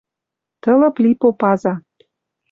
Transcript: Тылып ли попаза